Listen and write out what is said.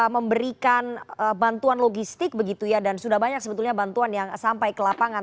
memberikan bantuan logistik begitu ya dan sudah banyak sebetulnya bantuan yang sampai ke lapangan